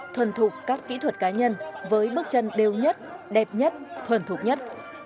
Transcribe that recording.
thuần thục các kỹ thuật cá nhân với bước chân đều nhất đẹp nhất thuần thuộc nhất